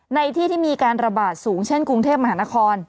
ในที่ที่มีการระบาดสูงเช่นกรุงเทพมหานคร